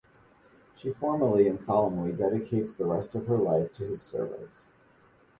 She formally and solemnly dedicates the rest of her life to his service.